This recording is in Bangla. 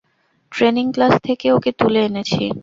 ট্রেনিং ক্লাস থেকে ওকে তুলে এনেছি।